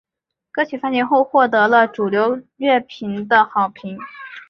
歌曲发行后获得了主流乐评的好评。